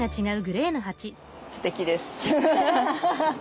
すてきです。